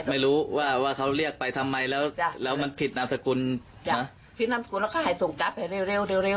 ไม่รู้ว่าว่าเขาเรียกไปทำไมแล้วแล้วมันผิดนามสกุลจ้ะผิดนามสกุลแล้วเขาหายส่งจ้าไปเร็วเร็วเร็วเร็ว